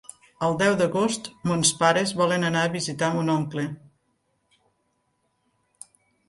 El deu d'agost mons pares volen anar a visitar mon oncle.